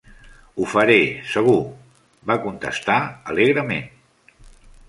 "Ho faré, segur", va contestar alegrement.